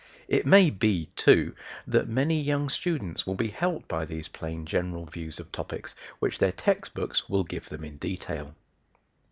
It may be, too, that many young students will be helped by these plain general views of topics which their text books will give them in detail.